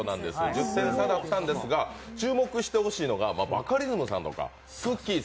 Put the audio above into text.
１０点差だったんですが、注目してほしいのがバカリズムさんとかくっきー！